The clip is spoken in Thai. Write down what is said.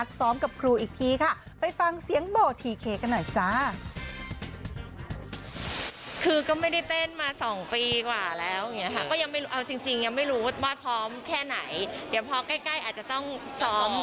เดี๋ยวพอใกล้อาจจะต้องซ้อม